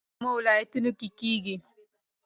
د وریجو کښت په کومو ولایتونو کې کیږي؟